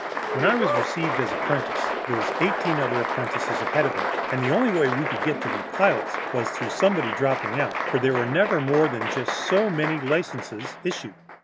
When I was received as apprentice there were eighteen other apprentices ahead of me, and the only way we could get to be pilots was through somebody dropping out, for there were never more than just so many licenses issued.